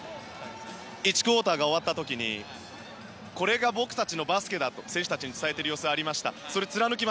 １クオーターが終わった時これが僕たちのバスケだと選手たちに伝えている様子がありました。